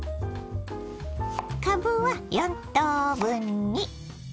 かぶは４等分に。